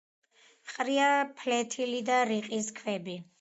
ყრია ფლეთილი და რიყის ქვები.